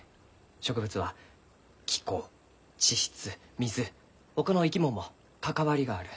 植物は気候地質水ほかの生き物も関わりがある。